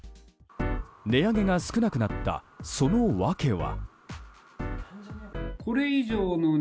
値上げが少なくなったその訳は。